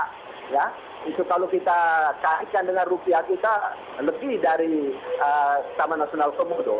itu kalau kita kaitkan dengan rupiah kita lebih dari taman nasional komodo